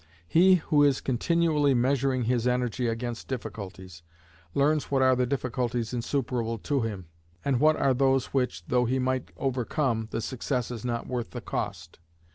He who is continually measuring his energy against difficulties, learns what are the difficulties insuperable to him, and what are those which, though he might overcome, the success is not worth the cost.